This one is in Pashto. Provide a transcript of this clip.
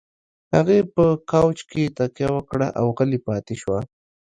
هغې په کاوچ کې تکيه وکړه او غلې پاتې شوه.